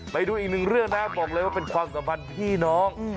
ไปดูอีกหนึ่งเรื่องนะบอกเลยว่าเป็นความสัมพันธ์พี่น้อง